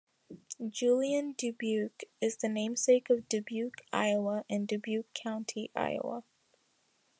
Julien Dubuque is the namesake of Dubuque, Iowa and Dubuque County, Iowa.